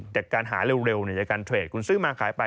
แต่การหาเร็วจากการเทรดคุณซื้อมาขายไป